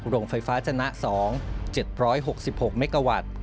โรงไฟฟ้าชนะ๒๗๖๖เมกาวัตต์